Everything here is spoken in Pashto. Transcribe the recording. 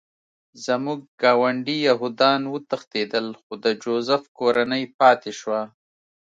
زموږ ګاونډي یهودان وتښتېدل خو د جوزف کورنۍ پاتې شوه